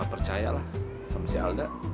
gak percaya lah sama si alda